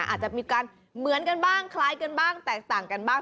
อาจจะมีการเหมือนกันบ้างคล้ายกันบ้างแตกต่างกันบ้าง